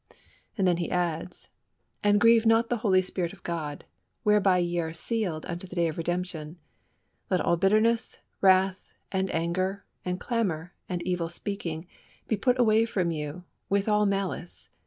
And then he adds: "And grieve not the Holy Spirit of God, whereby ye are sealed unto the day of redemption. Let all bitterness, and wrath, and anger, and clamour, and evil speaking, be put away from you, with all malice.